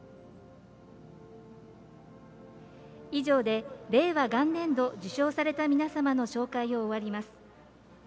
以上で、令和元年度受賞された皆様の紹介を終わります。